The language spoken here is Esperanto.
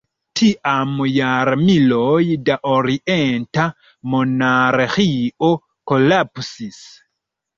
Tiam jarmiloj da orienta monarĥio kolapsis.